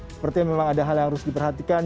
sepertinya memang ada hal yang harus diperhatikan